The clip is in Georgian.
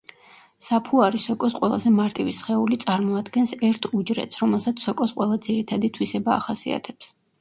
საფუარი სოკოს ყველაზე მარტივი სხეული წარმოადგენს ერთ უჯრედს, რომელსაც სოკოს ყველა ძირითადი თვისება ახასიათებს.